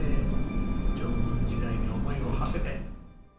縄文時代に思いをはせて。